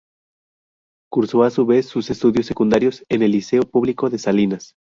Curso, a su vez, sus estudios secundarios en el Liceo público de Salinas.